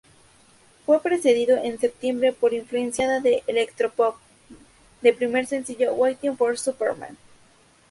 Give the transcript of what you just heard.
Fue precedido en septiembre por influenciada de electropop de primer sencillo "Waiting for Superman".